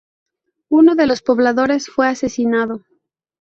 Uno de los pobladores fue asesinado.